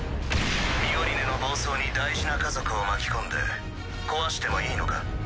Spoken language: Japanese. ミオリネの暴走に大事な家族を巻き込んで壊してもいいのか？